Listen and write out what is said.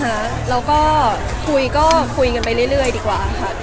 แล้วก็คุยก็คุยกันไปเรื่อยดีกว่าค่ะ